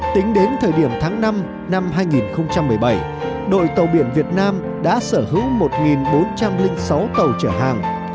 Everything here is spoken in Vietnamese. tính đến thời điểm tháng năm năm hai nghìn một mươi bảy đội tàu biển việt nam đã sở hữu một bốn trăm linh sáu tàu chở hàng